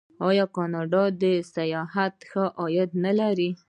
آیا کاناډا د سیاحت ښه عاید نلري؟